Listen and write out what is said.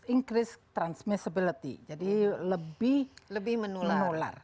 inggris transmissibility jadi lebih menular